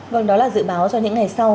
vâng đó là dự báo cho những ngày sau